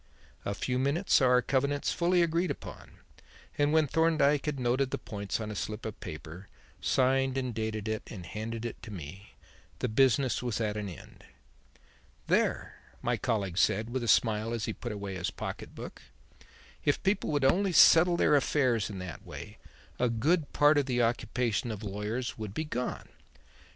A few minutes saw our covenants fully agreed upon, and when Thorndyke had noted the points on a slip of paper, signed and dated it and handed it to me, the business was at an end. "There," my colleague said with a smile as he put away his pocket book, "if people would only settle their affairs in that way, a good part of the occupation of lawyers would be gone.